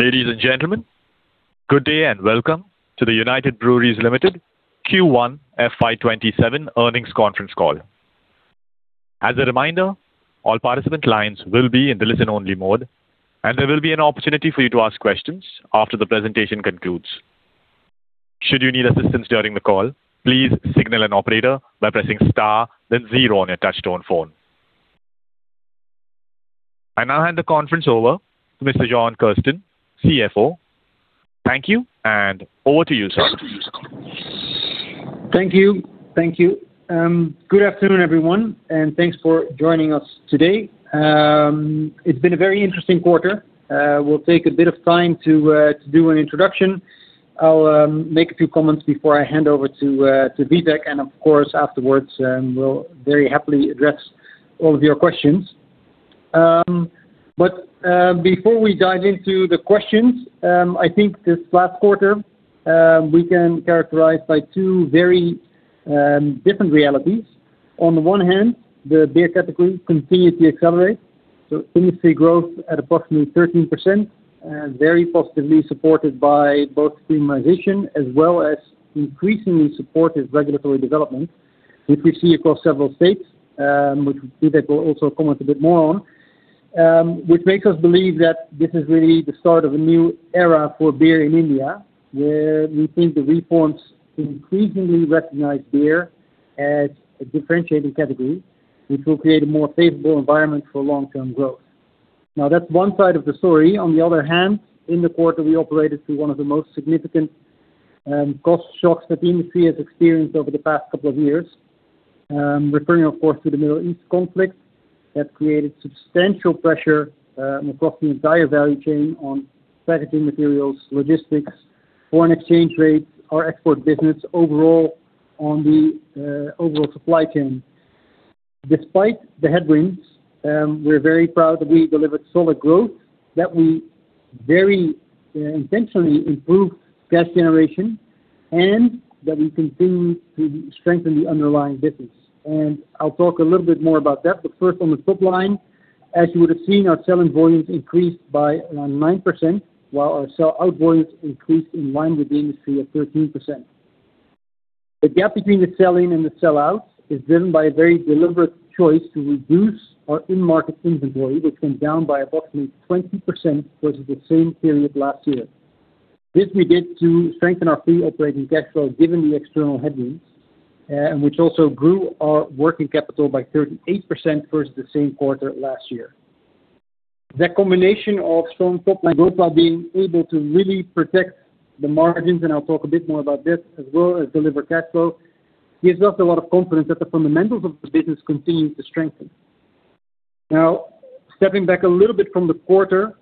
Ladies and gentlemen, good day and welcome to the United Breweries Limited Q1 FY 2027 Earnings Conference Call. As a reminder, all participant lines will be in the listen-only mode, and there will be an opportunity for you to ask questions after the presentation concludes. Should you need assistance during the call, please signal an operator by pressing star then zero on your touch-tone phone. I now hand the conference over to Mr. Jorn Kersten, CFO. Thank you, and over to you, sir. Thank you. Good afternoon, everyone, and thanks for joining us today. It's been a very interesting quarter. We'll take a bit of time to do an introduction. I'll make a few comments before I hand over to Vivek, and of course, afterwards, we'll very happily address all of your questions. Before we dive into the questions, I think this last quarter, we can characterize by two very different realities. On the one hand, the beer category continued to accelerate. Industry growth at approximately 13%, and very positively supported by both premiumization as well as increasingly supportive regulatory development, which we see across several states, which Vivek will also comment a bit more on, which makes us believe that this is really the start of a new era for beer in India, where we think the reforms increasingly recognize beer as a differentiating category, which will create a more favorable environment for long-term growth. Now, that's one side of the story. On the other hand, in the quarter, we operated through one of the most significant cost shocks that the industry has experienced over the past couple of years, referring, of course, to the Middle East conflict that created substantial pressure across the entire value chain on packaging materials, logistics, foreign exchange rates, our export business overall on the overall supply chain. Despite the headwinds, we're very proud that we delivered solid growth, that we very intentionally improved cash generation, and that we continue to strengthen the underlying business. I'll talk a little bit more about that, but first, on the top line, as you would've seen, our sell-in volumes increased by 9%, while our sell-out volumes increased in line with the industry at 13%. The gap between the sell-in and the sell-out is driven by a very deliberate choice to reduce our in-market inventory, which came down by approximately 20% versus the same period last year. This we did to strengthen our free operating cash flow given the external headwinds, and which also grew our working capital by 38% versus the same quarter last year. That combination of strong top-line growth, while being able to really protect the margins, and I will talk a bit more about this, as well as deliver cash flow, gives us a lot of confidence that the fundamentals of the business continue to strengthen. Stepping back a little bit from the quarter,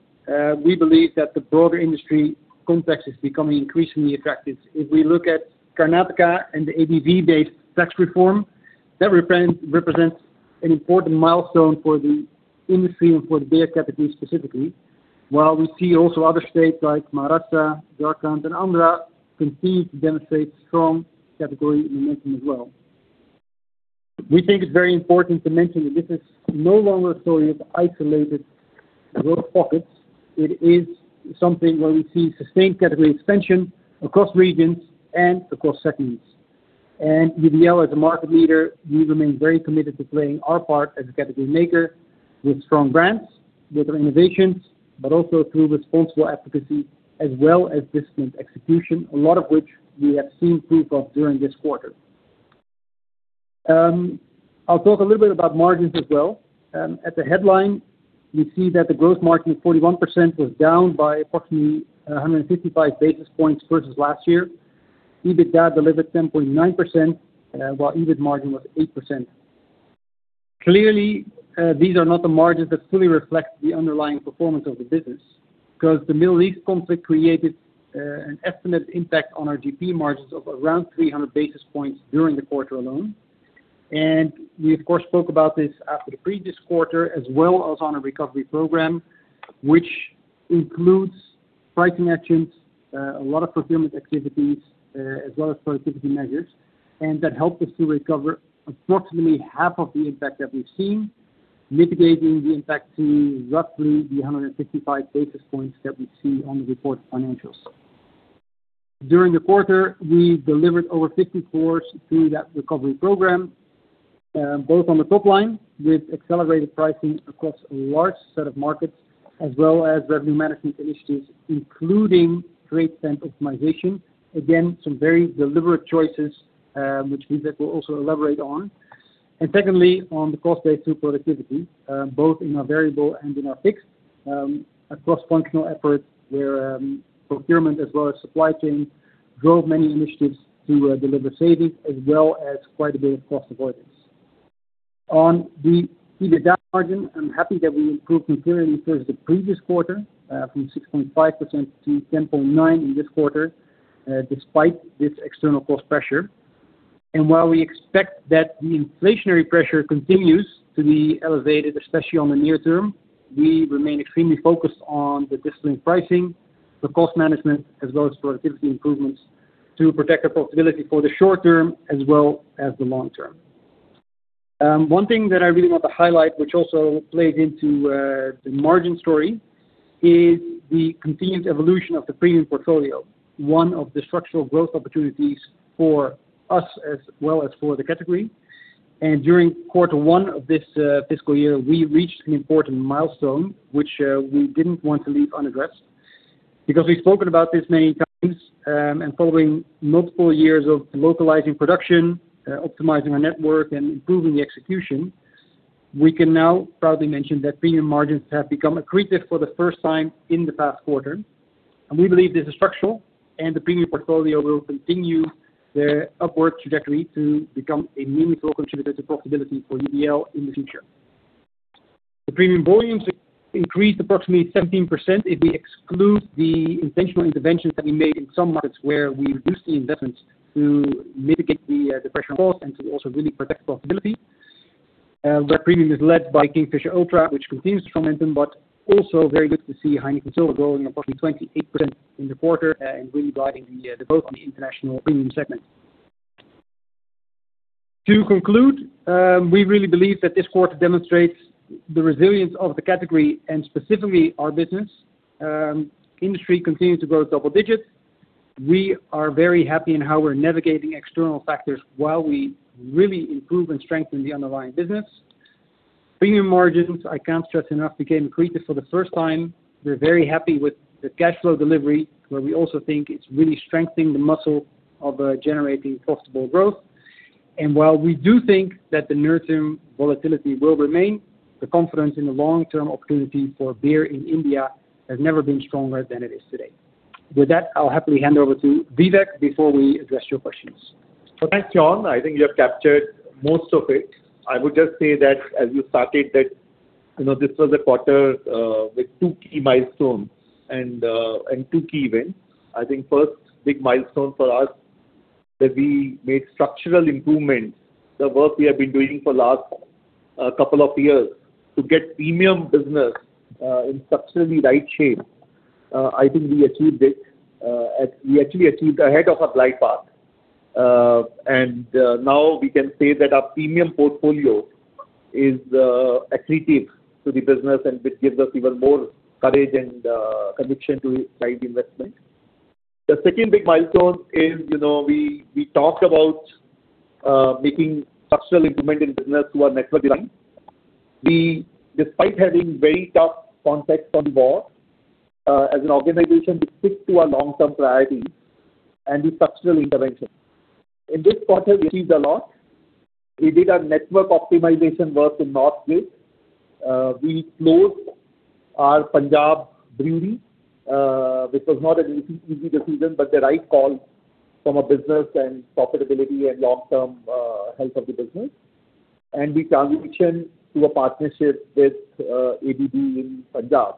we believe that the broader industry context is becoming increasingly attractive. If we look at Karnataka and the ABV-based tax reform, that represents an important milestone for the industry and for the beer category specifically. While we see also other states like Maharashtra, Jharkhand, and Andhra continue to demonstrate strong category momentum as well. We think it is very important to mention that this is no longer a story of isolated growth pockets. It is something where we see sustained category expansion across regions and across segments. UBL as a market leader, we remain very committed to playing our part as a category maker with strong brands, with our innovations, but also through responsible advocacy as well as disciplined execution, a lot of which we have seen proof of during this quarter. I will talk a little bit about margins as well. At the headline, we see that the gross margin of 41% was down by approximately 155 basis points versus last year. EBITDA delivered 10.9%, while EBIT margin was 8%. Clearly, these are not the margins that fully reflect the underlying performance of the business, because the Middle East conflict created an estimated impact on our GP margins of around 300 basis points during the quarter alone. We, of course, spoke about this after the previous quarter as well as on a recovery program, which includes pricing actions, a lot of procurement activities, as well as productivity measures. That helped us to recover approximately half of the impact that we have seen, mitigating the impact to roughly the 155 basis points that we see on the reported financials. During the quarter, we delivered over 50 crore through that recovery program, both on the top line with accelerated pricing across a large set of markets, as well as revenue management initiatives, including trade spend optimization. Again, some very deliberate choices, which Vivek will also elaborate on. Secondly, on the cost base through productivity, both in our variable and in our fixed, a cross-functional effort where procurement as well as supply chain drove many initiatives to deliver savings as well as quite a bit of cost avoidance. On the EBITDA margin, I am happy that we improved materially versus the previous quarter, from 6.5% to 10.9% in this quarter, despite this external cost pressure. While we expect that the inflationary pressure continues to be elevated, especially on the near term, we remain extremely focused on the disciplined pricing, the cost management, as well as productivity improvements to protect our profitability for the short term as well as the long term. One thing that I really want to highlight, which also plays into the margin story, is the continued evolution of the premium portfolio, one of the structural growth opportunities for us as well as for the category. During Q1 of this fiscal year, we reached an important milestone, which we didn't want to leave unaddressed, because we've spoken about this many times, following multiple years of localizing production, optimizing our network, and improving the execution, we can now proudly mention that premium margins have become accretive for the first time in the past quarter. We believe this is structural, and the premium portfolio will continue their upward trajectory to become a meaningful contributor to profitability for UBL in the future. The premium volumes increased approximately 17% if we exclude the intentional interventions that we made in some markets where we reduced the investments to mitigate the pressure on costs and to also really protect profitability. That premium is led by Kingfisher Ultra, which continues to show momentum, but also very good to see Heineken Silver growing approximately 28% in the quarter and really driving the boat on the international premium segment. To conclude, we really believe that this quarter demonstrates the resilience of the category and specifically our business. Industry continues to grow double digits. We are very happy in how we're navigating external factors while we really improve and strengthen the underlying business. Premium margins, I can't stress enough, became accretive for the first time. We're very happy with the cash flow delivery, where we also think it's really strengthening the muscle of generating profitable growth. While we do think that the near-term volatility will remain, the confidence in the long-term opportunity for beer in India has never been stronger than it is today. With that, I'll happily hand over to Vivek before we address your questions. Thanks, Jorn. I think you have captured most of it. I would just say that as you started that this was a quarter with two key milestones and two key events. I think first big milestone for us that we made structural improvements, the work we have been doing for last couple of years to get premium business in structurally right shape. I think we achieved it. We actually achieved ahead of our glide path. Now we can say that our premium portfolio is accretive to the business, and this gives us even more courage and conviction to drive investment. The second big milestone is we talked about making structural improvement in business through our network design. Despite having very tough context on board, as an organization, we stick to our long-term priorities and the structural intervention. In this quarter, we achieved a lot. We did our network optimization work in northwest. We closed our Punjab brewery, which was not an easy decision, but the right call from a business and profitability and long-term health of the business. We transitioned to a partnership with ABB in Punjab.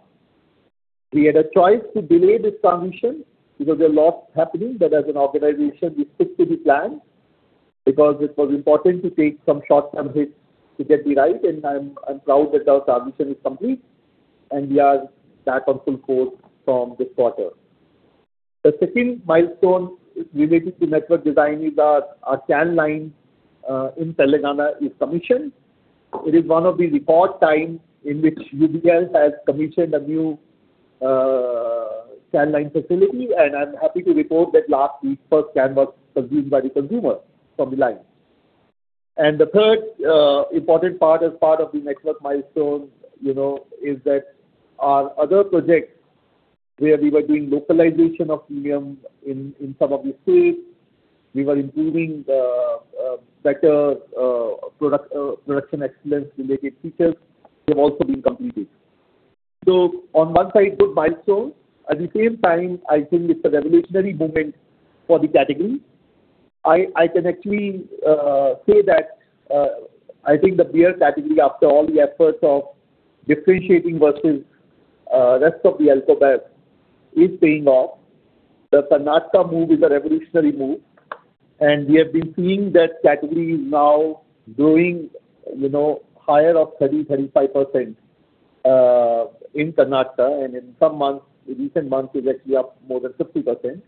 We had a choice to delay this transition because there are lots happening, but as an organization, we stick to the plan because it was important to take some short-term hits to get it right, and I'm proud that our transition is complete, and we are back on full course from this quarter. The second milestone related to network design is our can line in Telangana is commissioned. It is one of the record time in which UBL has commissioned a new can line facility, and I'm happy to report that last week first can was consumed by the consumer from the line. The third important part as part of the network milestone, is that our other projects where we were doing localization of premium in some of the states, we were improving better production excellence related features, they've also been completed. On one side, good milestone. At the same time, I think it's a revolutionary moment for the category. I can actually say that I think the beer category, after all the efforts of differentiating versus rest of the alcohol base is paying off. The Karnataka move is a revolutionary move, and we have been seeing that category is now growing higher of 30%-35% in Karnataka, and in some months, the recent month is actually up more than 50%.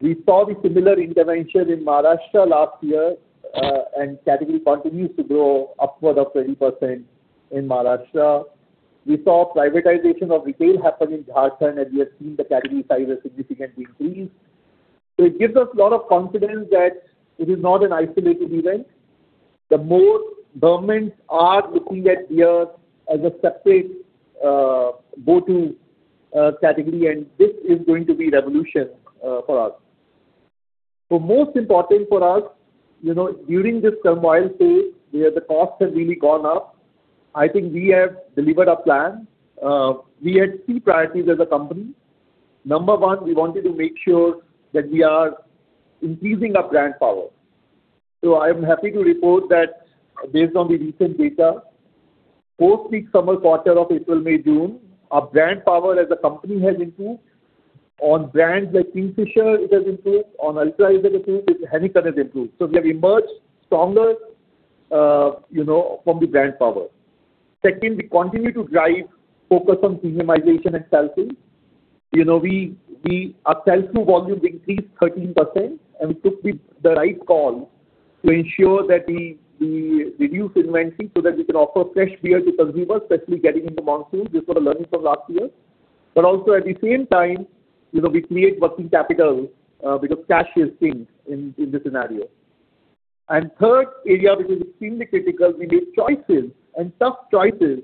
We saw the similar intervention in Maharashtra last year, and category continues to grow upward of 20% in Maharashtra. We saw privatization of retail happen in Jharkhand, and we have seen the category size has significantly increased. It gives us a lot of confidence that it is not an isolated event. The more governments are looking at beer as a separate go-to category, and this is going to be revolution for us. Most important for us, during this turmoil phase, where the cost has really gone up, I think we have delivered our plan. We had three priorities as a company. Number one, we wanted to make sure that we are increasing our brand power. I am happy to report that based on the recent data, post peak summer quarter of April, May, June, our brand power as a company has improved. On brands like Kingfisher, it has improved. On Ultra it has improved. Heineken has improved. We have emerged stronger from the brand power. Second, we continue to drive focus on premiumization and pricing. Our sell-through volumes increased 13%. We took the right call to ensure that we reduce inventory so that we can offer fresh beer to consumers, especially getting into monsoon. These were the learnings from last year. Also at the same time, we create working capital because cash is king in this scenario. Third area which is extremely critical, we made choices, and tough choices,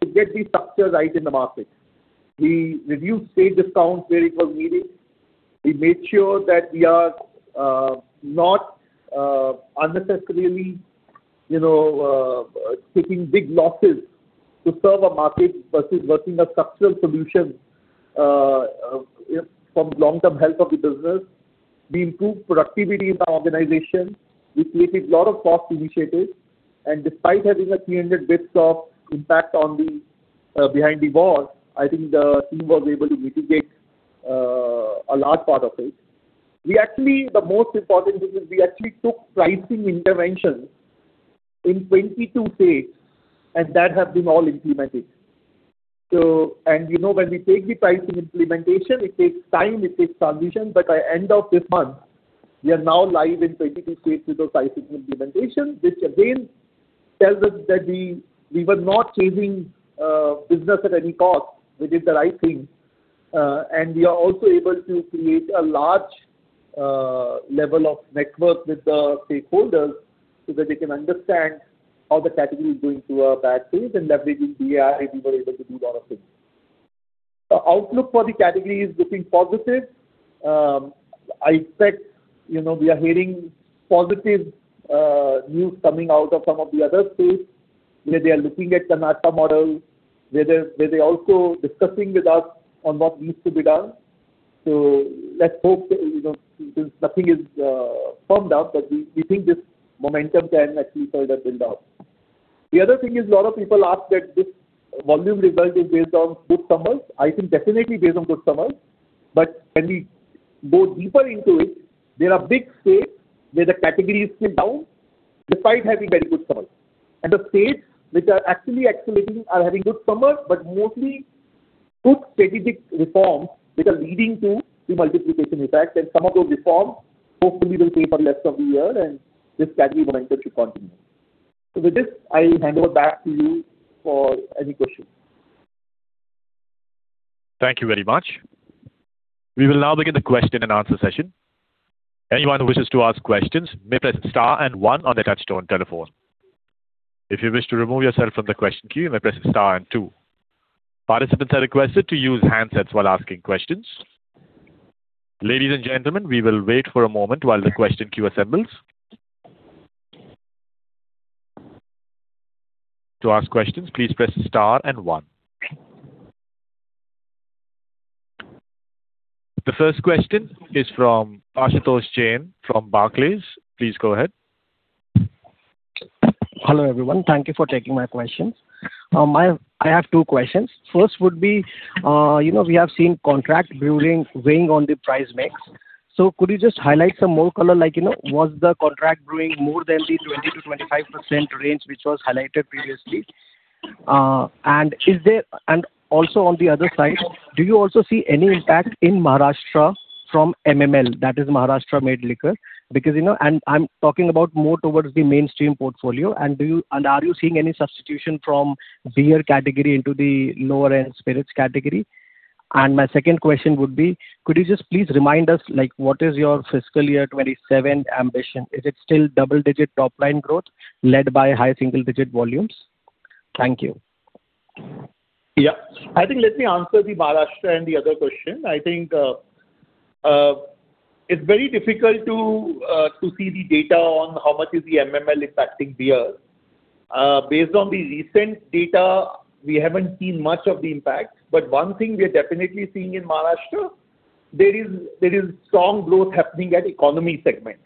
to get the structure right in the market. We reduced trade discounts where it was needed. We made sure that we are not unnecessarily taking big losses to serve a market versus working on structural solutions for the long-term health of the business. We improved productivity in the organization. We created a lot of cost initiatives. Despite having a 300 basis points of impact behind the wall, I think the team was able to mitigate a large part of it. The most important is we actually took pricing interventions in 22 states, that have been all implemented. When we take the pricing implementation, it takes time, it takes transition, but by end of this month, we are now live in 22 states with those pricing implementations, which again tells us that we were not chasing business at any cost. We did the right thing. We are also able to create a large level of network with the stakeholders so that they can understand how the category is going through a bad phase and leveraging BI, we were able to do a lot of things. Outlook for the category is looking positive. I expect we are hearing positive news coming out of some of the other states where they are looking at Karnataka model, where they are also discussing with us on what needs to be done. Let's hope, since nothing is firmed up, but we think this momentum can actually further build out. The other thing is a lot of people ask that this volume result is based on good summers. I think definitely based on good summers. When we go deeper into it, there are big states where the category is still down despite having very good summers. The states which are actually accelerating are having good summers, but mostly took strategic reforms which are leading to multiplication effect. Some of those reforms hopefully will pay for rest of the year and this category momentum should continue. With this, I hand over back to you for any questions. Thank you very much. We will now begin the question and answer session. Anyone who wishes to ask questions may press star and one on their touch-tone telephone. If you wish to remove yourself from the question queue, you may press star and two. Participants are requested to use handsets while asking questions. Ladies and gentlemen, we will wait for a moment while the question queue assembles. To ask questions, please press star and one. The first question is from Ashutosh Jain from Barclays. Please go ahead. Hello, everyone. Thank you for taking my questions. I have two questions. First would be, we have seen contract brewing weighing on the price mix. Could you just highlight some more color, like was the contract brewing more than the 20%-25% range, which was highlighted previously? Also on the other side, do you also see any impact in Maharashtra from MML, that is Maharashtra Made Liquor? I'm talking about more towards the mainstream portfolio. Are you seeing any substitution from beer category into the lower-end spirits category? My second question would be, could you just please remind us, what is your fiscal year 2027 ambition? Is it still double-digit top-line growth led by high single-digit volumes? Thank you. Yeah. I think let me answer the Maharashtra and the other question. I think it's very difficult to see the data on how much is the MML impacting beer. Based on the recent data, we haven't seen much of the impact, but one thing we are definitely seeing in Maharashtra, there is strong growth happening at economy segment.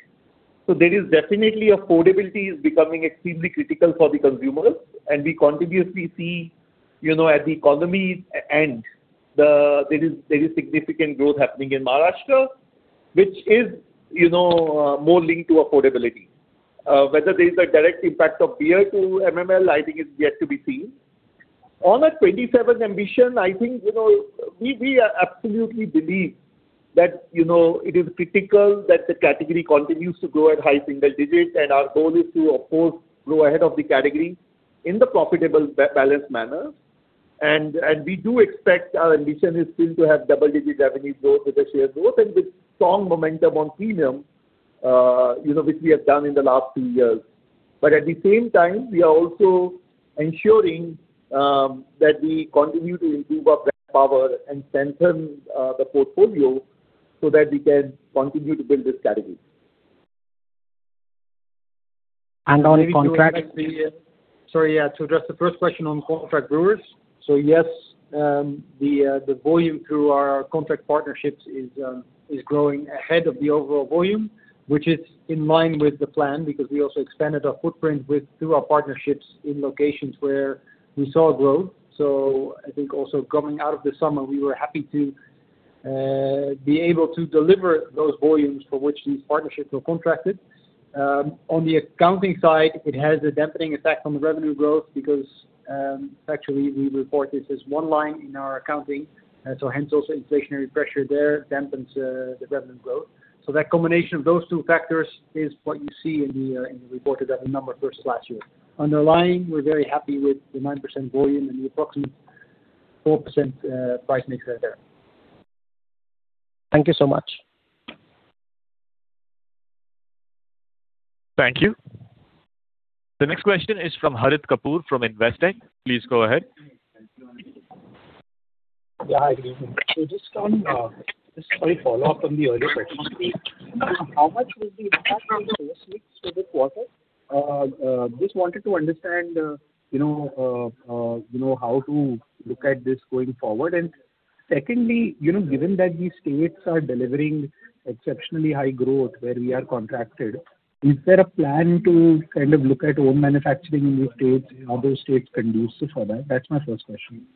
There is definitely affordability is becoming extremely critical for the consumers, and we continuously see at the economy end, there is significant growth happening in Maharashtra, which is more linked to affordability. Whether there is a direct impact of beer to MML, I think is yet to be seen. On our 2027 ambition, I think we absolutely believe that it is critical that the category continues to grow at high single digits, and our goal is to, of course, grow ahead of the category in the profitable balanced manner. We do expect our ambition is still to have double-digit revenue growth with the share growth and with strong momentum on premium which we have done in the last few years. At the same time, we are also ensuring that we continue to improve our brand power and strengthen the portfolio so that we can continue to build this category. On contract- Maybe to address the first question on contract brewers. Yes, the volume through our contract partnerships is growing ahead of the overall volume, which is in line with the plan because we also expanded our footprint through our partnerships in locations where we saw growth. I think also coming out of the summer, we were happy to be able to deliver those volumes for which these partnerships were contracted. On the accounting side, it has a dampening effect on the revenue growth because actually we report this as one line in our accounting. Hence also inflationary pressure there dampens the revenue growth. That combination of those two factors is what you see in the reported as a number first last year. Underlying, we're very happy with the 9% volume and the approximate 4% price mix that are there. Thank you so much. Thank you. The next question is from Harit Kapoor from Investec. Please go ahead. Yeah. I agree. Just a quick follow-up from the earlier question. How much will the impact on the source mix for this quarter? Just wanted to understand how to look at this going forward. Secondly, given that these states are delivering exceptionally high growth where we are contracted, is there a plan to kind of look at own manufacturing in these states? Are those states conducive for that? That's my first question.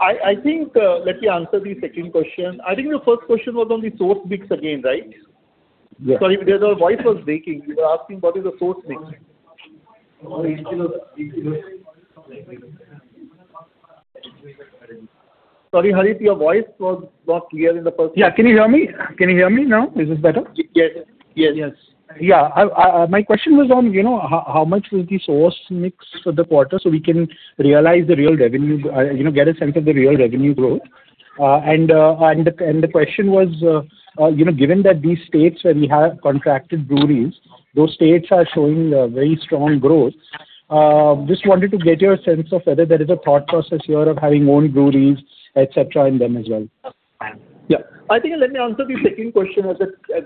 I think, let me answer the second question. I think the first question was on the source mix again, right? Yes. Sorry, because your voice was breaking. You were asking what is the source mix? Sorry, Harit, your voice was not clear. Yeah. Can you hear me? Can you hear me now? Is this better? Yes. Yeah. My question was on how much was the source mix for the quarter so we can realize the real revenue, get a sense of the real revenue growth. The question was, given that these states where we have contracted breweries, those states are showing very strong growth. I just wanted to get your sense of whether there is a thought process here of having own breweries, et cetera, in them as well. I think let me answer the second question as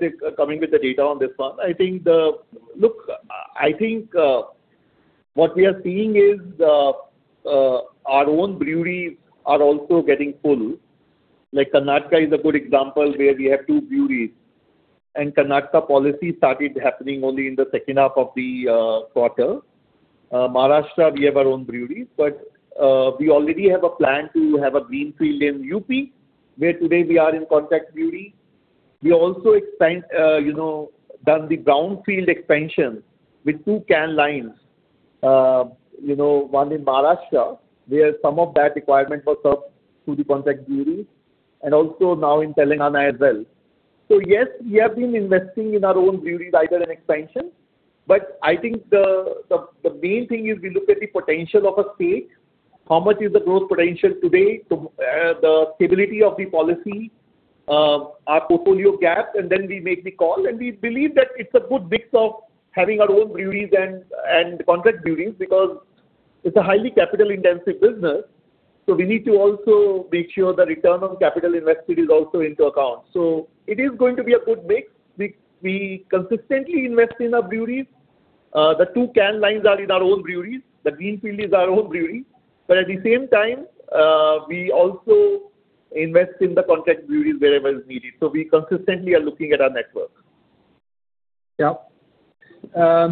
if coming with the data on this one. What we are seeing is our own breweries are also getting full. Karnataka is a good example where we have two breweries, and Karnataka policy started happening only in the second half of the quarter. Maharashtra, we have our own breweries, but we already have a plan to have a greenfield in UP where today we are in contract brewery. We also done the brownfield expansion with two can lines. One in Maharashtra, where some of that requirement was served through the contract brewery, and also now in Telangana as well. Yes, we have been investing in our own breweries, either in expansion. I think the main thing is we look at the potential of a state, how much is the growth potential today, the stability of the policy, our portfolio gaps, and then we make the call. We believe that it's a good mix of having our own breweries and contract breweries, because it's a highly capital-intensive business. We need to also make sure the return on capital invested is also into account. It is going to be a good mix. We consistently invest in our breweries. The two can lines are in our own breweries. The greenfield is our own brewery. At the same time, we also invest in the contract breweries wherever is needed. We consistently are looking at our network.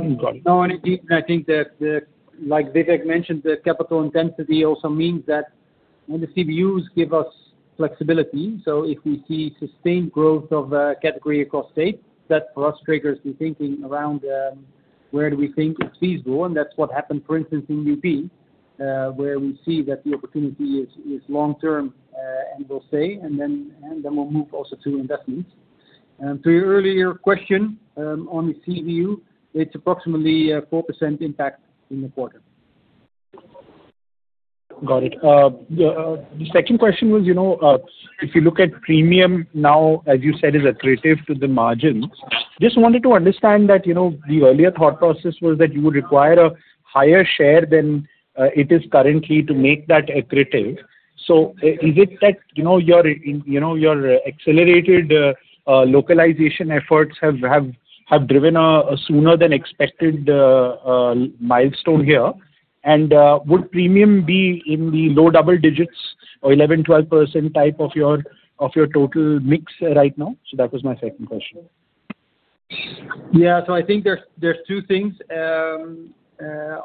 Indeed, I think that, like Vivek mentioned, the capital intensity also means that when the CBUs give us flexibility, if we see sustained growth of a category across state, that for us triggers the thinking around where do we think it's feasible, and that's what happened, for instance, in UP, where we see that the opportunity is long-term and will stay, and then we'll move also to investments. To your earlier question on the CBU, it's approximately 4% impact in the quarter. Got it. The second question was, if you look at premium now, as you said, is accretive to the margins. Just wanted to understand that the earlier thought process was that you would require a higher share than it is currently to make that accretive. Is it that your accelerated localization efforts have driven a sooner than expected milestone here? Would premium be in the low double digits or 11%, 12% type of your total mix right now? That was my second question. Yeah. I think there's two things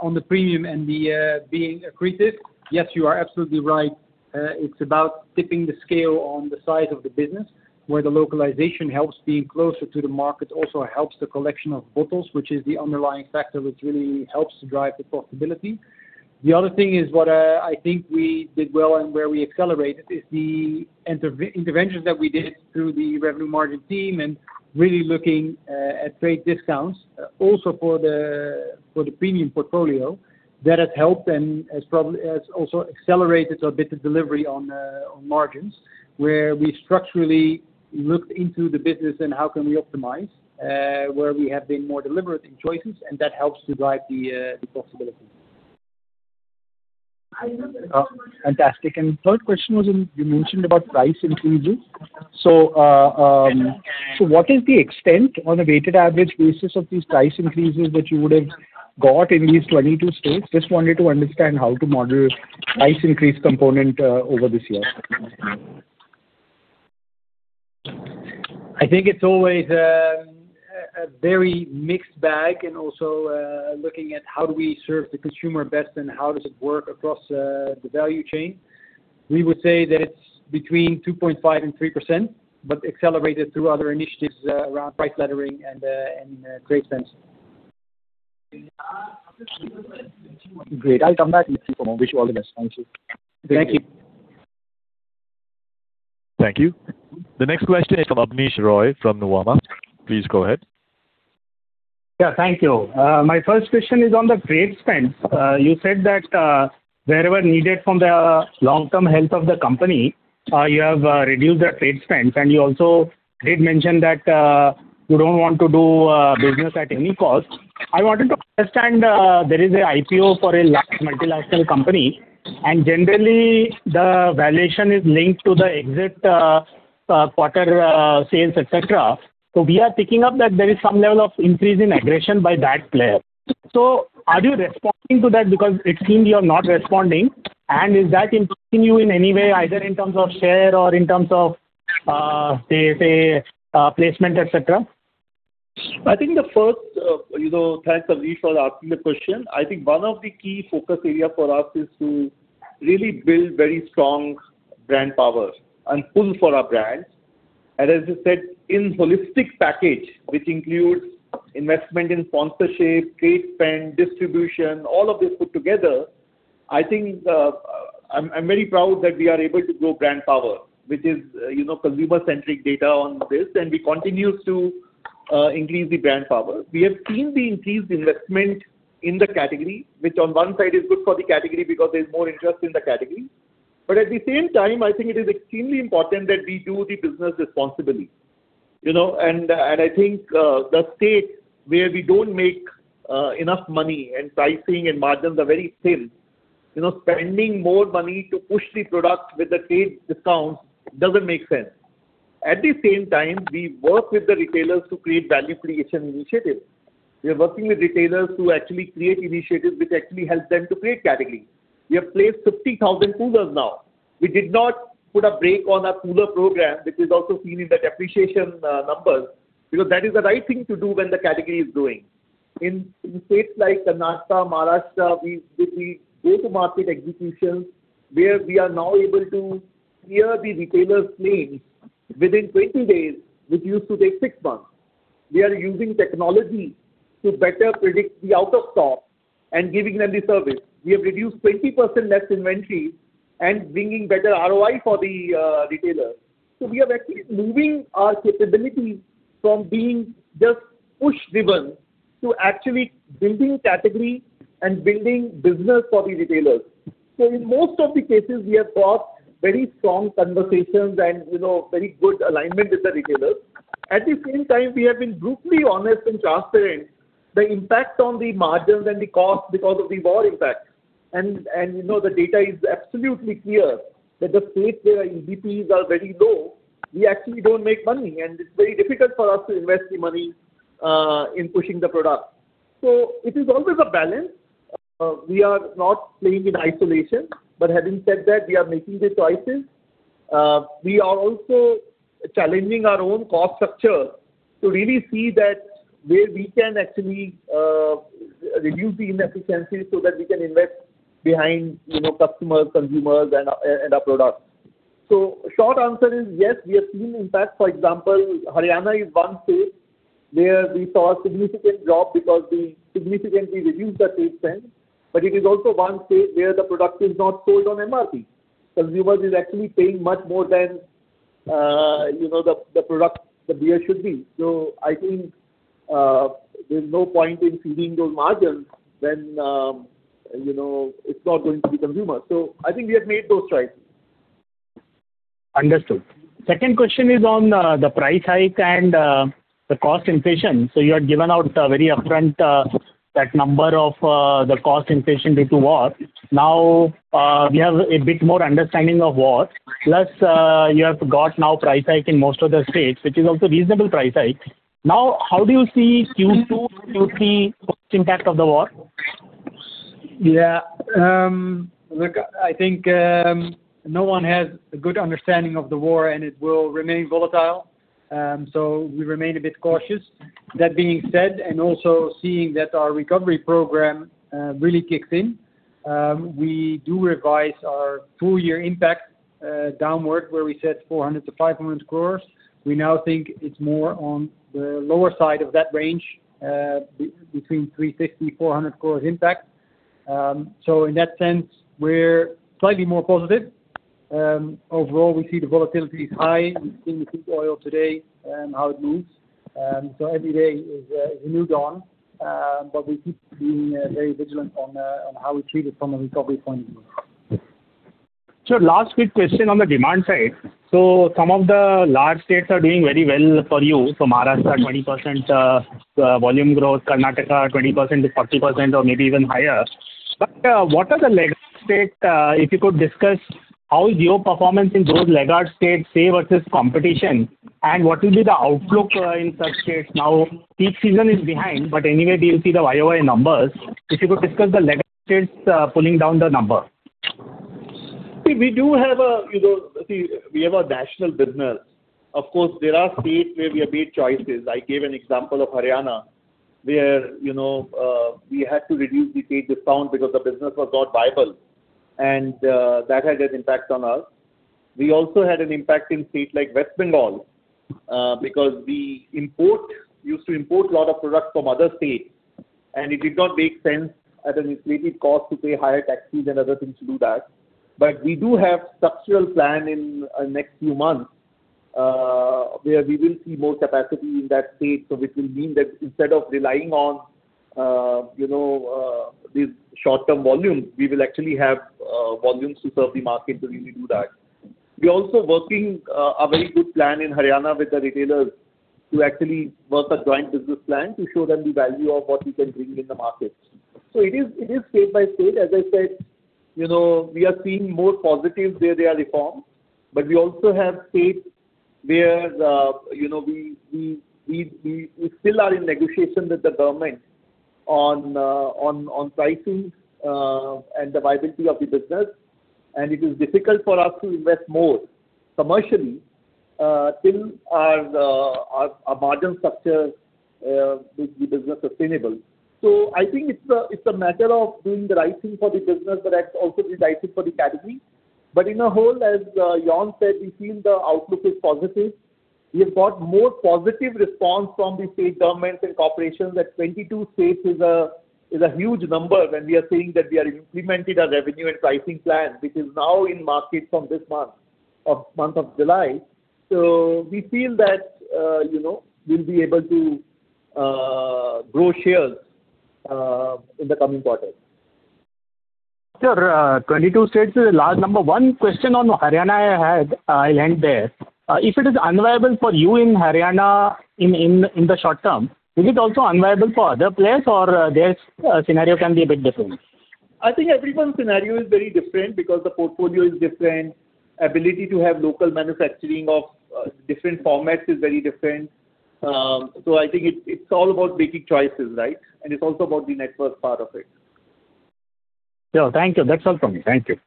on the premium and being accretive. Yes, you are absolutely right. It's about tipping the scale on the size of the business where the localization helps being closer to the market also helps the collection of bottles which is the underlying factor which really helps to drive the profitability. The other thing is what I think we did well and where we accelerated is the interventions that we did through the revenue margin team and really looking at trade discounts also for the premium portfolio. That has helped and has also accelerated a bit of delivery on margins where we structurally looked into the business and how can we optimize where we have been more deliberate in choices, and that helps to drive the profitability. Fantastic. Third question was you mentioned about price increases. What is the extent on a weighted average basis of these price increases that you would have got in these 22 states? Just wanted to understand how to model price increase component over this year. I think it's always a very mixed bag and also looking at how do we serve the consumer best and how does it work across the value chain. We would say that it's between 2.5%-3%, but accelerated through other initiatives around price laddering and trade spends. Great. I'll come back if need be. For now, wish you all the best. Thank you. Thank you. Thank you. The next question is from Abneesh Roy from Nuvama. Please go ahead. Yeah, thank you. My first question is on the trade spend. You said that wherever needed from the long-term health of the company, you have reduced the trade spend, and you also did mention that you don't want to do business at any cost. I wanted to understand, there is an IPO for a large multinational company, and generally, the valuation is linked to the exit quarter sales, et cetera. We are picking up that there is some level of increase in aggression by that player. Are you responding to that? Because it seems you're not responding. Is that impacting you in any way, either in terms of share or in terms of, say, placement, et cetera? I think the first- Thanks, Abneesh, for asking the question. I think one of the key focus area for us is to really build very strong brand power and pull for our brands. As you said, in holistic package, which includes investment in sponsorship, trade spend, distribution, all of this put together, I think I'm very proud that we are able to grow brand power, which is consumer-centric data on this, and we continue to increase the brand power. We have seen the increased investment in the category, which on one side is good for the category because there's more interest in the category. At the same time, I think it is extremely important that we do the business responsibly. I think the state where we don't make enough money and pricing and margins are very thin, spending more money to push the product with the trade discounts doesn't make sense. At the same time, we work with the retailers to create value creation initiatives. We are working with retailers to actually create initiatives which actually help them to create category. We have placed 50,000 coolers now. We did not put a break on our cooler program, which is also seen in the depreciation numbers, because that is the right thing to do when the category is growing. In states like Karnataka, Maharashtra, we did the go-to-market executions, where we are now able to clear the retailer's claims within 20 days, which used to take six months. We are using technology to better predict the out-of-stock and giving them the service. We have reduced 20% less inventory and bringing better ROI for the retailer. We are actually moving our capability from being just push-driven to actually building category and building business for the retailers. In most of the cases, we have got very strong conversations and very good alignment with the retailers. At the same time, we have been brutally honest and transparent the impact on the margins and the cost because of the war impact. The data is absolutely clear that the states where EBPs are very low, we actually don't make money, and it's very difficult for us to invest the money in pushing the product. It is always a balance. We are not playing in isolation, but having said that, we are making the choices. We are also challenging our own cost structure to really see that where we can actually reduce the inefficiencies so that we can invest behind customers, consumers, and our products. Short answer is, yes, we are seeing impact. For example, Haryana is one state where we saw a significant drop because we significantly reduced the trade spend, but it is also one state where the product is not sold on MRP. Consumer is actually paying much more than the beer should be. I think there's no point in ceding those margins when it's not going to the consumer. I think we have made those trades. Understood. Second question is on the price hike and the cost inflation. You had given out very upfront that number of the cost inflation due to war. We have a bit more understanding of war. You have got now price hike in most of the states, which is also reasonable price hike. How do you see Q2, Q3 impact of the war? Look, I think no one has a good understanding of the war, and it will remain volatile. We remain a bit cautious. That being said, and also seeing that our recovery program really kicks in, we do revise our full-year impact downward, where we said 400 crore to 500 crore. We now think it's more on the lower side of that range, between 350 crore, 400 crore impact. In that sense, we're slightly more positive. Overall, we see the volatility is high. We've seen the crude oil today and how it moves. Every day is a new dawn. We keep being very vigilant on how we treat it from a recovery point of view. Sure. Last quick question on the demand side. Some of the large states are doing very well for you. Maharashtra, 20% volume growth, Karnataka, 20%-40% or maybe even higher. What are the laggard state, if you could discuss how is your performance in those laggard states, say, versus competition, and what will be the outlook in such states now? Peak season is behind, but anyway, we'll see the YoY numbers. If you could discuss the laggard states pulling down the number. We have a national business. Of course, there are states where we have made choices. I gave an example of Haryana. Where we had to reduce the trade discount because the business was not viable, and that had an impact on us. We also had an impact in states like West Bengal because we used to import a lot of products from other states, and it did not make sense at an inflated cost to pay higher taxes and other things to do that. We do have structural plan in next few months, where we will see more capacity in that state. Which will mean that instead of relying on these short-term volumes, we will actually have volumes to serve the market to really do that. We're also working a very good plan in Haryana with the retailers to actually work a joint business plan to show them the value of what we can bring in the market. It is state by state, as I said, we are seeing more positives where there are reforms, but we also have states where we still are in negotiation with the government on pricing and the viability of the business, and it is difficult for us to invest more commercially till our margin structure makes the business sustainable. I think it's a matter of doing the right thing for the business but also the right thing for the category. In a whole, as Jorn said, we feel the outlook is positive. We have got more positive response from the state governments and corporations that 22 states is a huge number when we are saying that we are implementing our revenue and pricing plans, which is now in market from this month, of month of July. We feel that we'll be able to grow shares in the coming quarters. Sir, 22 states is a large number. One question on Haryana I had, I'll end there. If it is unviable for you in Haryana in the short term, is it also unviable for other players or their scenario can be a bit different? I think everyone's scenario is very different because the portfolio is different, ability to have local manufacturing of different formats is very different. I think it's all about making choices, right? It's also about the network part of it. Sure. Thank you. That's all from me. Thank you.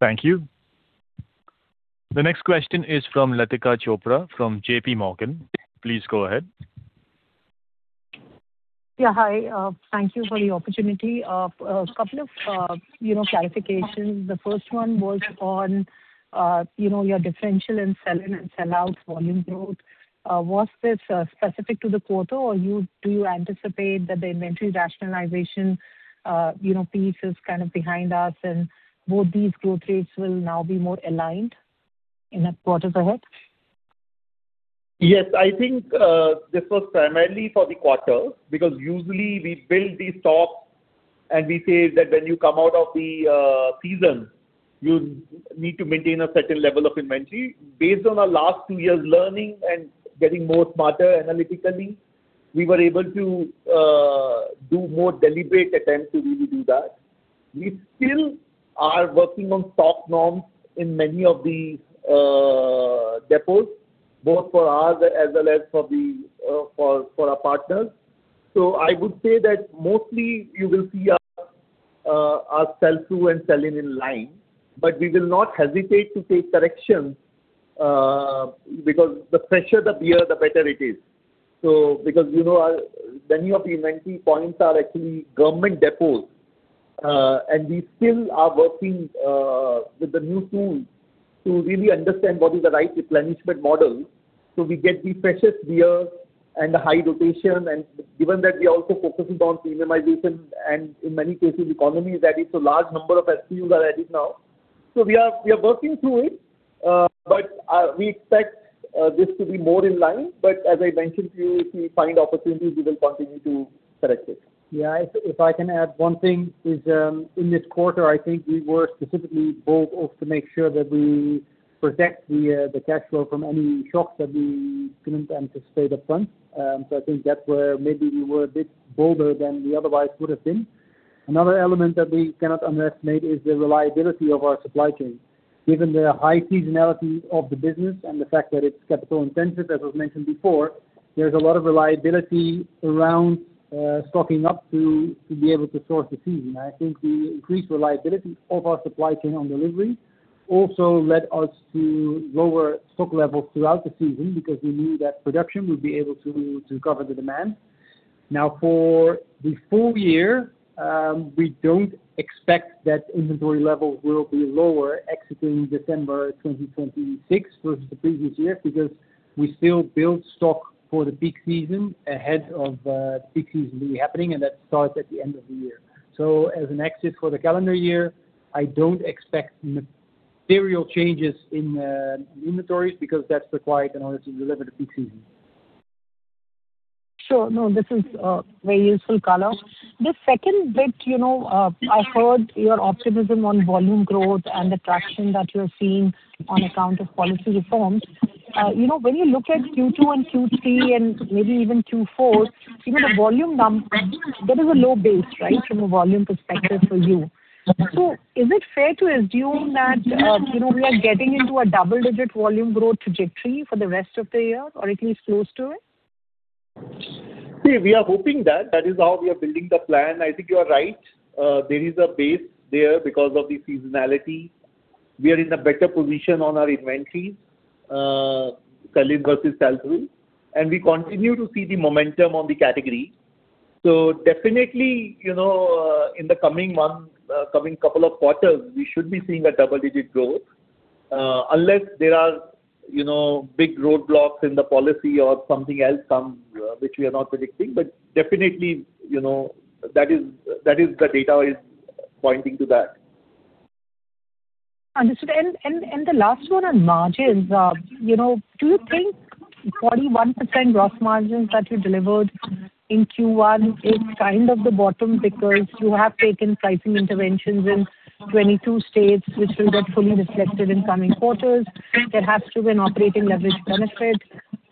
Thank you. The next question is from Latika Chopra from JPMorgan. Please go ahead. Yeah. Hi. Thank you for the opportunity. A couple of clarifications. The first one was on your differential in sell in and sell out volume growth. Was this specific to the quarter, or do you anticipate that the inventory rationalization piece is kind of behind us and both these growth rates will now be more aligned in the quarters ahead? Yes, I think this was primarily for the quarter because usually we build the stock and we say that when you come out of the season, you need to maintain a certain level of inventory. Based on our last two years learning and getting more smarter analytically, we were able to do more deliberate attempt to really do that. We still are working on stock norms in many of the depots, both for ours as well as for our partners. I would say that mostly you will see our sell-through and sell-in in line, but we will not hesitate to take corrections because the fresher the beer, the better it is. Because many of the inventory points are actually government depots, and we still are working with the new tools to really understand what is the right replenishment model so we get the freshest beer and the high rotation, and given that we are also focusing on premiumization and in many cases economy is added, so large number of SKUs are added now. We are working through it, but we expect this to be more in line. As I mentioned to you, if we find opportunities, we will continue to correct it. Yeah. If I can add one thing is, in this quarter, I think we were specifically bold also to make sure that we protect the cash flow from any shocks that we couldn't anticipate up front. I think that where maybe we were a bit bolder than we otherwise would have been. Another element that we cannot underestimate is the reliability of our supply chain. Given the high seasonality of the business and the fact that it's capital intensive, as was mentioned before, there's a lot of reliability around stocking up to be able to source the season. I think the increased reliability of our supply chain on delivery also led us to lower stock levels throughout the season because we knew that production would be able to cover the demand. For the full year, we don't expect that inventory levels will be lower exiting December 2026 versus the previous year because we still build stock for the peak season ahead of peak season really happening, and that starts at the end of the year. As an exit for the calendar year, I don't expect material changes in inventories because that's required in order to deliver the peak season. Sure. No, this is very useful color. The second bit, I've heard your optimism on volume growth and the traction that you're seeing on account of policy reforms. When you look at Q2 and Q3 and maybe even Q4, even the volume number, that is a low base, right? From a volume perspective for you. Is it fair to assume that we are getting into a double-digit volume growth trajectory for the rest of the year, or at least close to it? We are hoping that is how we are building the plan. I think you are right. There is a base there because of the seasonality. We are in a better position on our inventory, sell-in versus sell-through, and we continue to see the momentum on the category. Definitely, in the coming month, coming couple of quarters, we should be seeing a double-digit growth. Unless there are big roadblocks in the policy or something else, which we are not predicting. Definitely, the data is pointing to that. Understood. The last one on margins. Do you think 41% gross margins that you delivered in Q1 is kind of the bottom because you have taken pricing interventions in 22 states, which will get fully reflected in coming quarters, there has to be an operating leverage benefit,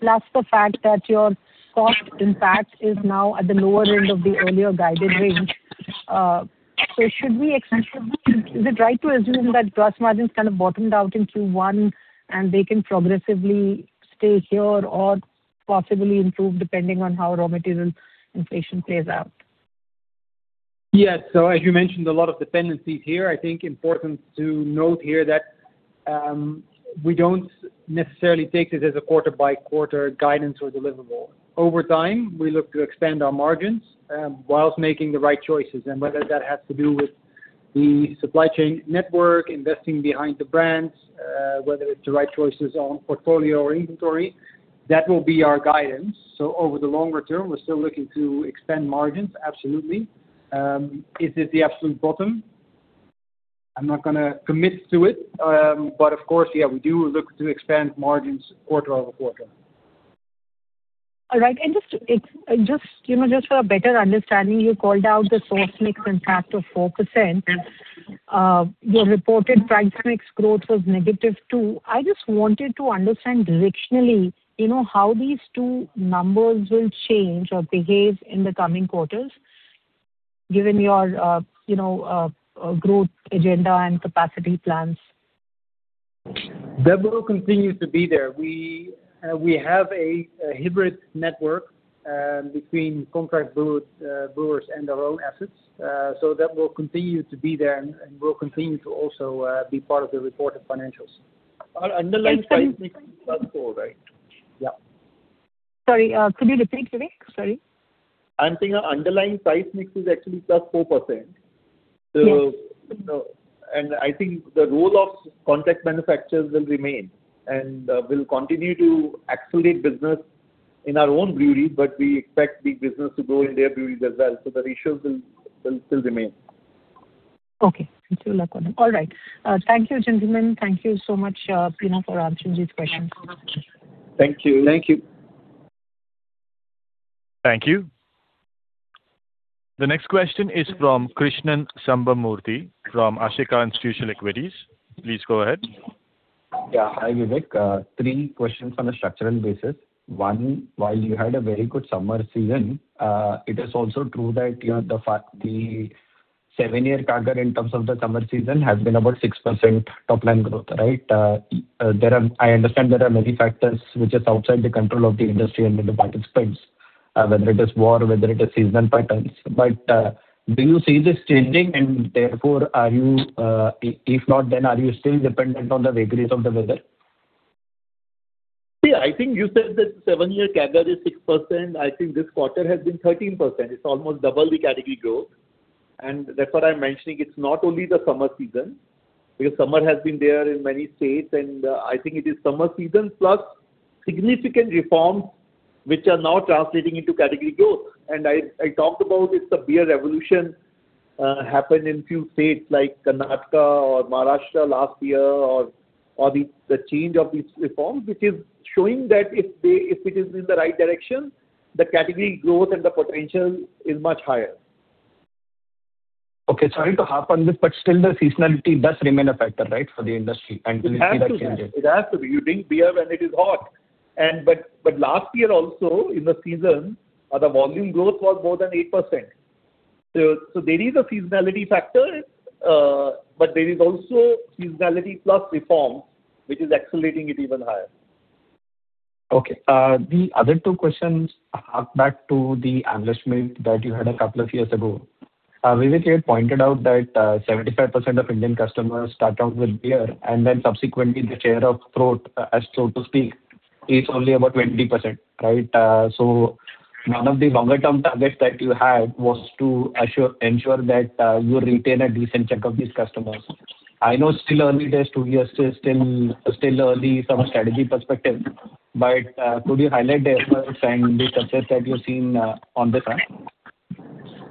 plus the fact that your cost impact is now at the lower end of the earlier guided range. Is it right to assume that gross margins kind of bottomed out in Q1 and they can progressively stay here or possibly improve depending on how raw material inflation plays out? Yes. As you mentioned, a lot of dependencies here. I think important to note here that we don't necessarily take it as a quarter-by-quarter guidance or deliverable. Over time, we look to expand our margins whilst making the right choices, whether that has to do with the supply chain network, investing behind the brands, whether it's the right choices on portfolio or inventory, that will be our guidance. Over the longer term, we're still looking to expand margins, absolutely. Is it the absolute bottom? I'm not going to commit to it. Of course, yeah, we do look to expand margins quarter over quarter. All right. Just for a better understanding, you called out the source mix impact of 4%. Your reported price mix growth was negative two. I just wanted to understand directionally how these two numbers will change or behave in the coming quarters given your growth agenda and capacity plans. That will continue to be there. We have a hybrid network between contract brewers and our own assets. That will continue to be there and will continue to also be part of the reported financials. Our underlying price mix is +4%, right? Yeah. Sorry. Could you repeat, Vivek? Sorry. I'm saying our underlying price mix is actually +4%. Yes. I think the role of contract manufacturers will remain, and we'll continue to accelerate business in our own breweries, but we expect big business to grow in their breweries as well. The ratios will still remain. Okay. It's all according. All right. Thank you, gentlemen. Thank you so much, Pina, for answering these questions. Thank you. Thank you. Thank you. The next question is from Krishnan Sambamoorthy from Ashika Institutional Equities. Please go ahead. Hi, Vivek. Three questions on a structural basis. One, while you had a very good summer season, it is also true that the seven-year CAGR in terms of the summer season has been about 6% top-line growth, right? I understand there are many factors which are outside the control of the industry and the participants, whether it is war, whether it is season patterns. Do you see this changing and therefore are you, if not, then are you still dependent on the vagaries of the weather? I think you said that seven-year CAGR is 6%. I think this quarter has been 13%. It is almost double the category growth. Therefore, I am mentioning it is not only the summer season, because summer has been there in many states, and I think it is summer seasons plus significant reforms which are now translating into category growth. I talked about this beer revolution happened in few states like Karnataka or Maharashtra last year, or the change of these reforms, which is showing that if it is in the right direction, the category growth and the potential is much higher. Sorry to harp on this, still the seasonality does remain a factor, right, for the industry until it changes? It has to be. You drink beer when it is hot. Last year also in the season, the volume growth was more than 8%. There is a seasonality factor, but there is also seasonality plus reform, which is accelerating it even higher. Okay. The other two questions hark back to the analyst meet that you had a couple of years ago. Vivek had pointed out that 75% of Indian customers start out with beer, and then subsequently the share of throat, so to speak, is only about 20%, right? One of the longer-term targets that you had was to ensure that you retain a decent chunk of these customers. I know still early days, two years is still early from a strategy perspective, but could you highlight the efforts and the success that you've seen on this front?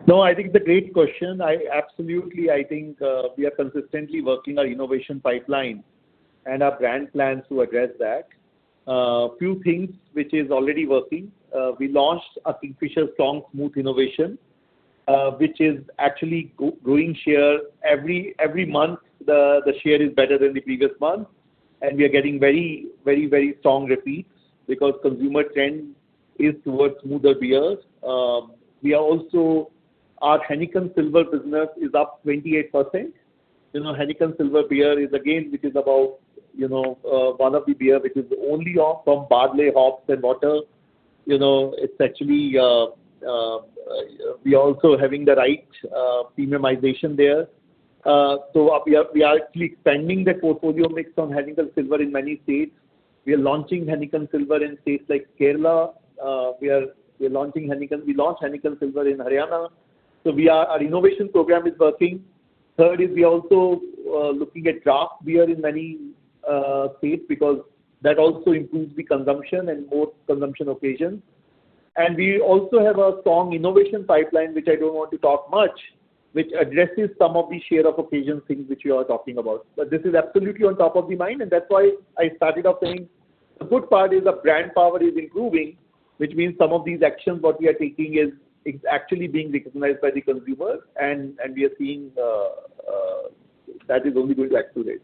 No, I think it's a great question. Absolutely, I think we are consistently working our innovation pipeline and our brand plans to address that. Few things which is already working. We launched our Kingfisher Strong Smooth innovation, which is actually growing share every month. The share is better than the previous month, and we are getting very strong repeats because consumer trend is towards smoother beers. We are also, our Heineken Silver business is up 28%. Heineken Silver beer is, again, which is one of the beer which is only of from barley hops and water. It's actually, we also having the right premiumization there. We are actually expanding the portfolio mix on Heineken Silver in many states. We are launching Heineken Silver in states like Kerala. We launched Heineken Silver in Haryana. Our innovation program is working. Third is we also looking at draft beer in many states because that also improves the consumption and more consumption occasions. We also have a strong innovation pipeline, which I don't want to talk much, which addresses some of the share of occasion things which you are talking about. This is absolutely on top of the mind, and that's why I started off saying the good part is the brand power is improving, which means some of these actions what we are taking is actually being recognized by the consumers and we are seeing that is only going to accelerate.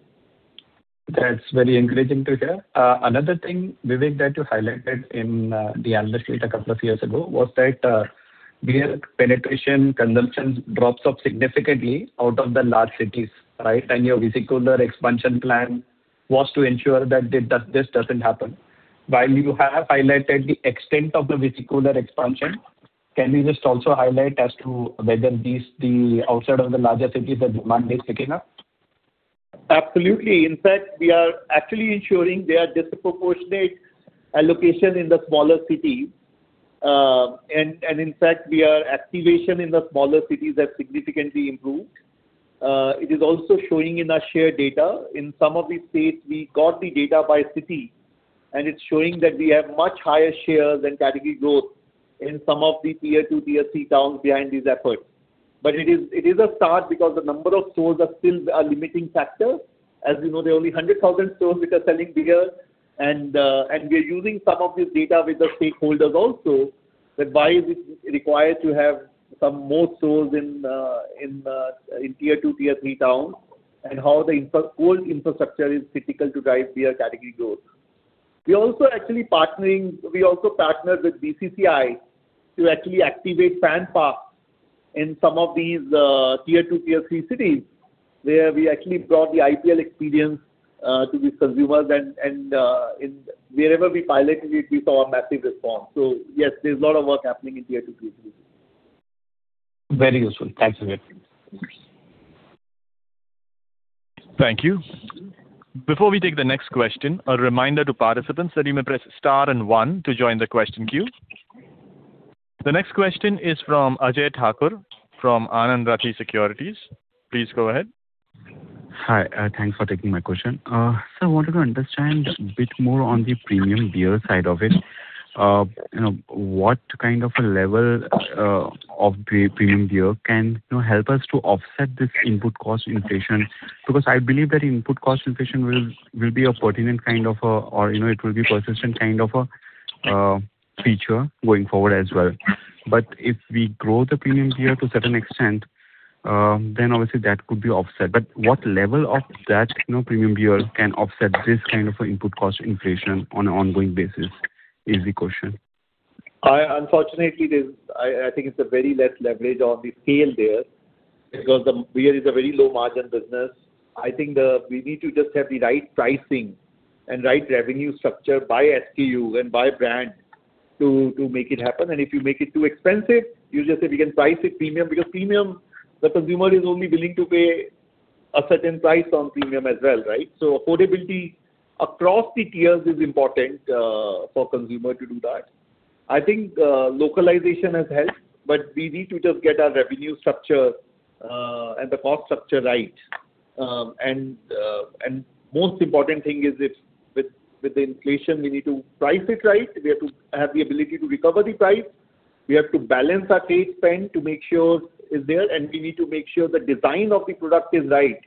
That's very encouraging to hear. Another thing, Vivek, that you highlighted in the analyst meet a couple of years ago was that beer penetration consumption drops off significantly out of the large cities, right? Your vehicular expansion plan was to ensure that this doesn't happen. While you have highlighted the extent of the vehicular expansion, can you just also highlight as to whether these, the outside of the larger cities, the demand is picking up? Absolutely. In fact, we are actually ensuring their disproportionate allocation in the smaller cities. In fact, we are activation in the smaller cities has significantly improved. It is also showing in our share data. In some of the states, we got the data by city, and it's showing that we have much higher share than category growth in some of the tier 2, tier 3 towns behind these efforts. It is a start because the number of stores are still a limiting factor. As you know, there are only 100,000 stores which are selling beer and we are using some of this data with the stakeholders also, that why is it required to have some more stores in tier 2, tier 3 towns, and how the whole infrastructure is critical to drive beer category growth. We also partnered with BCCI to actually activate Fan Park in some of these tier 2, tier 3 cities, where we actually brought the IPL experience to these consumers. In wherever we piloted it, we saw a massive response. Yes, there's a lot of work happening in tier 2, tier 3. Very useful. Thanks, Vivek. Of course. Thank you. Before we take the next question, a reminder to participants that you may press star and one to join the question queue. The next question is from Ajay Thakur from Anand Rathi Securities. Please go ahead. Hi, thanks for taking my question. Sir, I wanted to understand a bit more on the premium beer side of it. What kind of a level of the premium beer can help us to offset this input cost inflation? I believe that input cost inflation will be a pertinent kind of a or it will be persistent kind of a feature going forward as well. If we grow the premium beer to certain extent, then obviously that could be offset. What level of that premium beer can offset this kind of input cost inflation on an ongoing basis is the question. Unfortunately, I think it's a very less leverage on the scale there because the beer is a very low margin business. I think we need to just have the right pricing and right revenue structure by SKU and by brand to make it happen. If you make it too expensive, you just say we can price it premium because premium, the consumer is only willing to pay a certain price on premium as well, right? Affordability across the tiers is important for consumer to do that. I think localization has helped, but we need to just get our revenue structure and the cost structure right. Most important thing is if with the inflation, we need to price it right. We have to have the ability to recover the price. We have to balance our trade spend to make sure it's there and we need to make sure the design of the product is right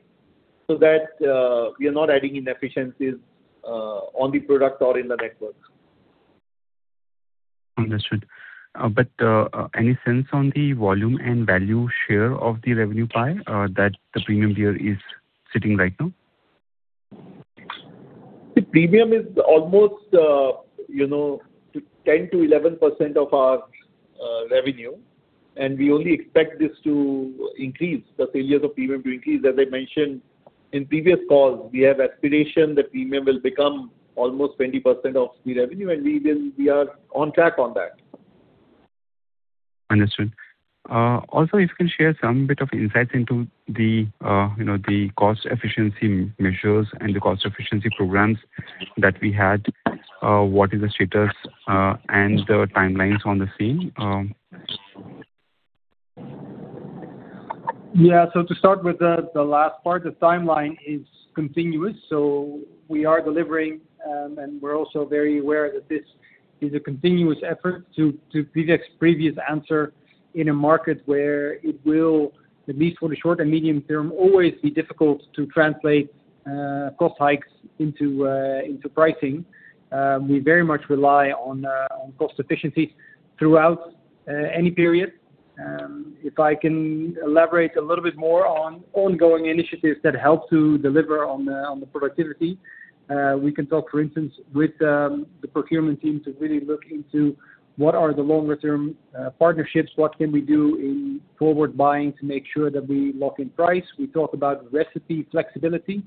so that we are not adding inefficiencies on the product or in the network. Understood. Any sense on the volume and value share of the revenue pie that the premium beer is sitting right now? The premium is almost 10%-11% of our revenue, we only expect this to increase, the sales of premium to increase. As I mentioned in previous calls, we have aspiration that premium will become almost 20% of the revenue, we are on track on that. Understood. If you can share some bit of insights into the cost efficiency measures and the cost efficiency programs that we had. What is the status, the timelines on the same? To start with the last part, the timeline is continuous. We are delivering, we're also very aware that this is a continuous effort to Vivek's previous answer in a market where it will, at least for the short and medium term, always be difficult to translate cost hikes into pricing. We very much rely on cost efficiencies throughout any period. If I can elaborate a little bit more on ongoing initiatives that help to deliver on the productivity. We can talk, for instance, with the procurement team to really look into what are the longer-term partnerships, what can we do in forward buying to make sure that we lock in price. We talk about recipe flexibility,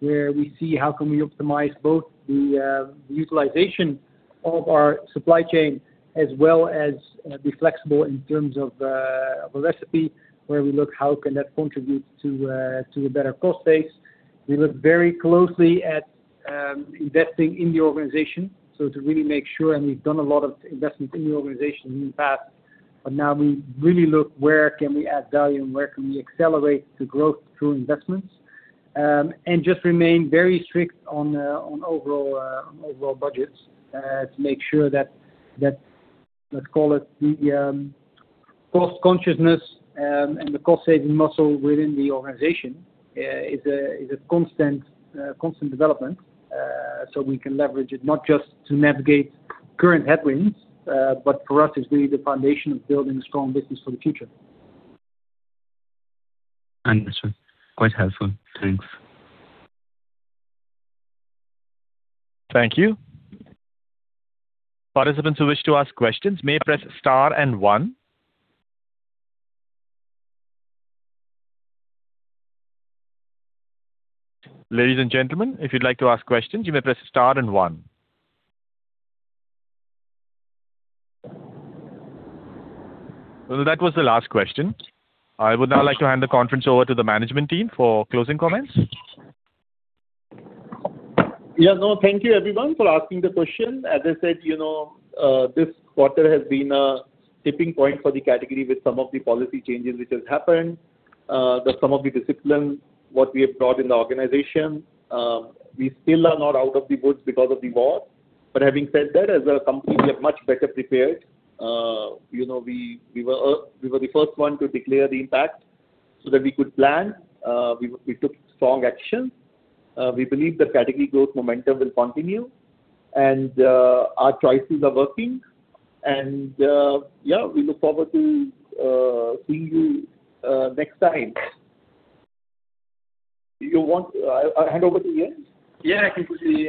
where we see how can we optimize both the utilization of our supply chain as well as be flexible in terms of a recipe where we look how can that contribute to a better cost base. We look very closely at investing in the organization. To really make sure, and we've done a lot of investment in the organization in the past, but now we really look where can we add value and where can we accelerate the growth through investments. Just remain very strict on overall budgets to make sure that, let's call it, the cost consciousness and the cost-saving muscle within the organization is a constant development so we can leverage it, not just to navigate current headwinds, but for us is really the foundation of building a strong business for the future. Understood. Quite helpful. Thanks. Thank you. Participants who wish to ask questions may press star and one. Ladies and gentlemen, if you'd like to ask questions, you may press star and one. That was the last question. I would now like to hand the conference over to the management team for closing comments. Thank you, everyone, for asking the question. As I said, this quarter has been a tipping point for the category with some of the policy changes which has happened, some of the discipline what we have brought in the organization. We still are not out of the woods because of the war. Having said that, as a company, we are much better prepared. We were the first one to declare the impact so that we could plan. We took strong action. We believe the category growth momentum will continue and our choices are working, we look forward to seeing you next time. Do you want I hand over to you again? Yeah, I can quickly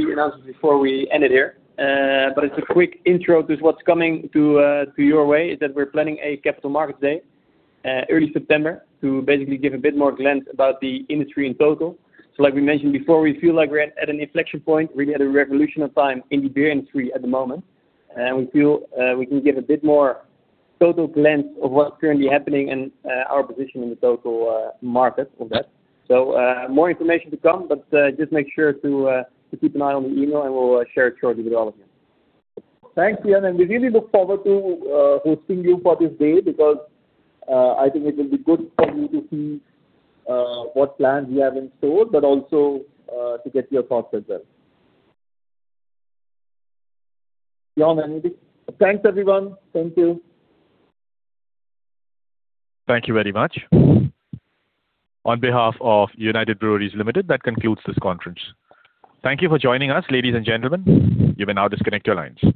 do the announcement before we end it here. It's a quick intro to what's coming to your way is that we're planning a capital market day, early September, to basically give a bit more glance about the industry in total. Like we mentioned before, we feel like we're at an inflection point, really at a revolutionary time in the beer industry at the moment. We feel we can give a bit more total glance of what's currently happening and our position in the total market on that. More information to come, but just make sure to keep an eye on the email, and we'll share it shortly with all of you. Thanks, Jorn, we really look forward to hosting you for this day because I think it will be good for you to see what plans we have in store, but also to get your thoughts as well. Yeah, Vivek. Thanks, everyone. Thank you. Thank you very much. On behalf of United Breweries Limited, that concludes this conference. Thank you for joining us, ladies and gentlemen. You may now disconnect your lines.